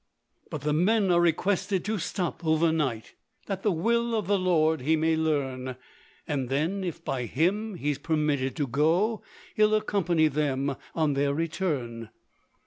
But the men are requested to stop over night, That the will of the Lord he may learn; And then if by Him he's permitted to go, He'll accompany them on their return.